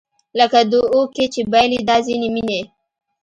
لکه داو کې چې بایلي دا ځینې مینې